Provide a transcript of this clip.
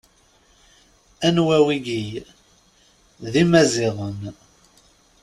Anwa wigi: D Imaziɣen.